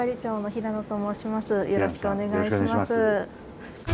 平野さんよろしくお願いします。